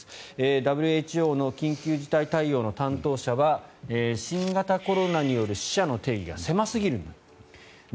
ＷＨＯの緊急事態対応の担当者は新型コロナによる死者の定義が狭すぎるんだと。